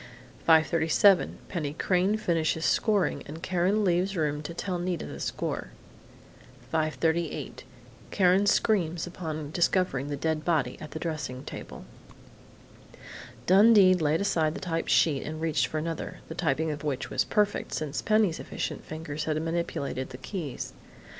5:37 Penny Crain finishes scoring, and Karen leaves room to tell Nita the score. 5:38 Karen screams upon discovering the dead body at the dressing table. Dundee laid aside the typed sheet and reached for another, the typing of which was perfect, since Penny's efficient fingers had manipulated the keys.